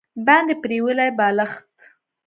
باندې پریولي بالښت